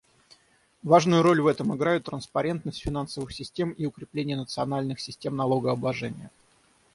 Важную роль в этом играют транспарентность финансовых систем и укрепление национальных систем налогообложения.